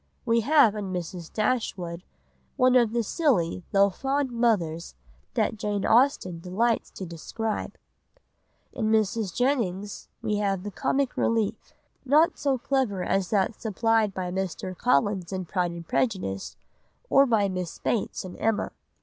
We have in Mrs. Dashwood one of the silly though fond mothers that Jane Austen delights to describe. In Mrs. Jennings we have the comic relief, not so clever as that supplied by Mr. Collins in Pride and Prejudice or by Miss Bates in Emma.